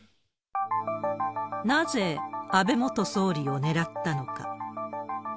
なぜ安倍元総理を狙ったのか。